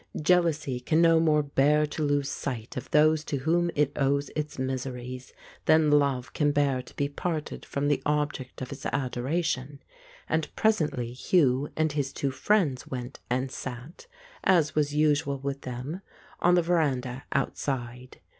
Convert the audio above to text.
Jealousy can no more bear to lose sight of those to whom it owes its miseries than love can bear to be parted from the object of its adoration, and presentlv 200 The Ape Hugh and his two friends went and sat, as was usual with them, on the veranda outside.